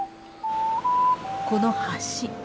この橋。